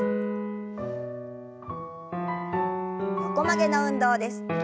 横曲げの運動です。